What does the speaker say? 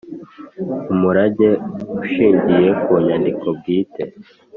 umurage ushingiye ku nyandiko bwite